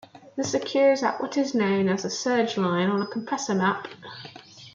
This occurs at what is known as the surge line on a compressor map.